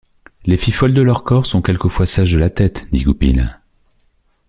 Les filles folles de leur corps sont quelquefois sages de la tête, dit Goupil.